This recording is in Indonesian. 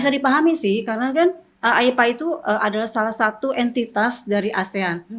saya paham sih karena kan aepa itu adalah salah satu entitas dari asean